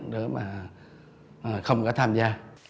để mà không có tham gia